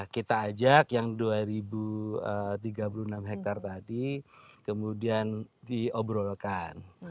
kita ajak yang dua ribu tiga puluh enam hektare tadi kemudian diobrolkan